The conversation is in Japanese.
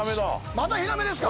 またヒラメですか。